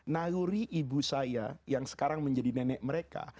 naluri ibu saya yang sekarang menjadi nenek mereka